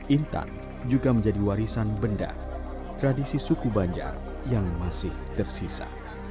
intan juga menjadi warisan benda tradisi suku banjar yang masih tersisa